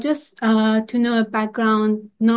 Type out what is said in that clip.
jadi hanya untuk mengetahui latar belakang